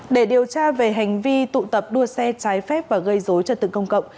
để điều tra về hành vi tụ tập đua xe trái phép và gây dối trật tự công cộng